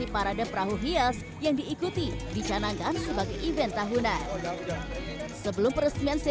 pada minggu tiga puluh juli dua ribu dua puluh tiga